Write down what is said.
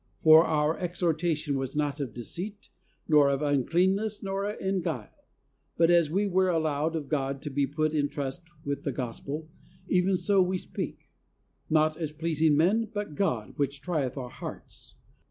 129 For our exhortation was not of deceit, nor of uncleanness, nor in guile ; but as we were allowed of God to be put in trust with the Gospel, even so we speak; not as pleasing men, but God, which trieth our hearts.